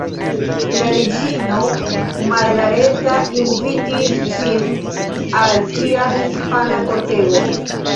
La reĝino Margareta invitis ŝin al sia hispana kortego.